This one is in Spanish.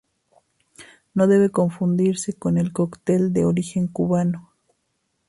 No debe confundirse con el cóctel de origen cubano.